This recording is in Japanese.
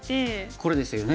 これですよね。